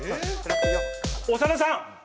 長田さん！